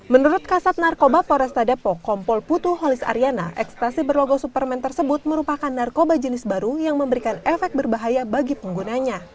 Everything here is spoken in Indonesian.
menurut kasat narkoba poresta depok kompol putu holis ariana ekstasi berlogo superman tersebut merupakan narkoba jenis baru yang memberikan efek berbahaya bagi penggunanya